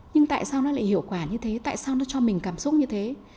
nhưng tại sao nó lại hiệu quả như thế tại sao nó cho mình cảm xúc như thế